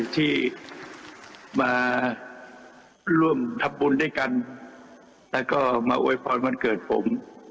ที่มาร่วมทำบุญด้วยกันแล้วก็มาอวยพรวันเกิดผม